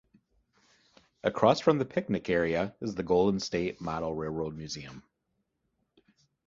Across from the picnic area is the Golden State Model Railroad Museum.